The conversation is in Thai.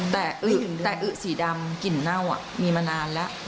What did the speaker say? แต่อึดสีดำกลิ่นน่าวนี้มานานแล้ว